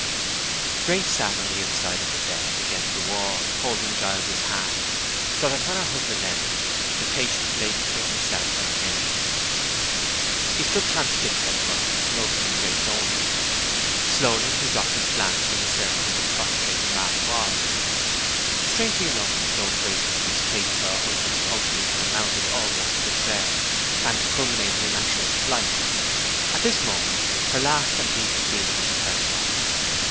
Grace sat on the inside of the bed against the wall, holding Giles's hand, so that when her husband entered the patient lay between herself and him. He stood transfixed at first, noticing Grace only. Slowly he dropped his glance and discerned who the prostrate man was. Strangely enough, though Grace's distaste for her husband's company had amounted almost to dread, and culminated in actual flight, at this moment her last and least feeling was personal.